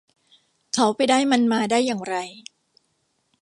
เขาไปได้มันมาได้อย่างไร